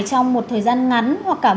trong một thời gian ngắn hoặc cả buổi